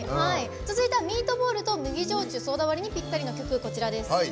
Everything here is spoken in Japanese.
続いては、ミートボールと麦焼酎ソーダ割りにぴったりの曲、こちらです。